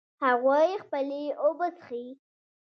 هغوی خپلې اوبه څښي